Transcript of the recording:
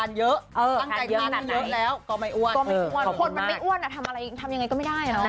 รั่งกายพี่มีอีกดีเยอะแล้วก็ไม่อ้วนคนมันไม่อ้วนนี่ทำยังไงก็ไม่ได้นะ